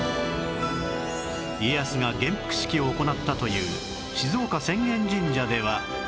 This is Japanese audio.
家康が元服式を行ったという静岡浅間神社では